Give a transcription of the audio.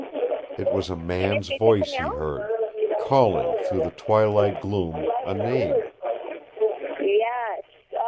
It was a man's voice he heard, calling through the twilight gloom a name.